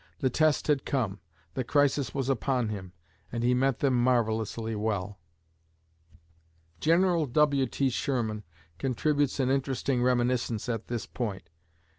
The test had come, the crisis was upon him; and he met them marvelously well. General W.T. Sherman contributes an interesting reminiscence at this point.